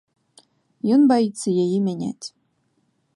Ён баіцца яе мяняць.